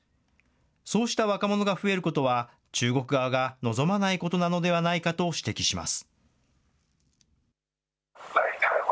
そうした若者が増えることは、中国側が望まないことなのではないかと指摘します。